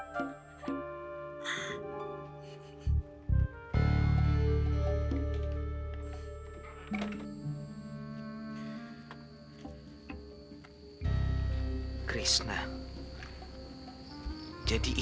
jadi kakak gak ingat sama yang tadi